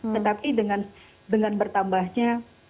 tetapi dengan bertambahnya